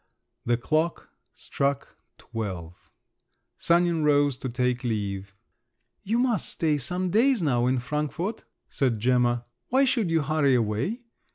The clock struck twelve. Sanin rose to take leave. "You must stay some days now in Frankfort," said Gemma: "why should you hurry away?